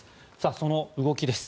その動きです。